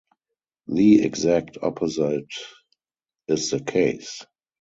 The exact opposite is the case.